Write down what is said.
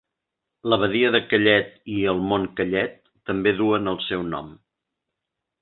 La badia de Kellet i el Mont Kellet també duen el seu nom.